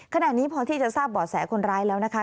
ขณะนี้พอที่จะทราบบ่อแสคนร้ายแล้วนะคะ